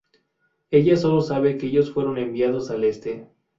Ella sólo sabe que ellos fueron enviados al este.